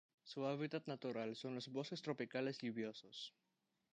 Su hábitat natural son los bosques tropicales lluviosos.